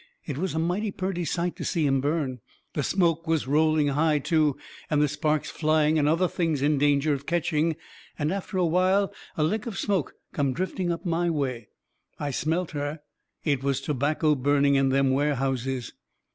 It was a mighty purty sight to see 'em burn. The smoke was rolling high, too, and the sparks flying and other things in danger of ketching, and after while a lick of smoke come drifting up my way. I smelt her. It was tobacco burning in them warehouses.